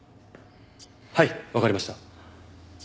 はいわかりました。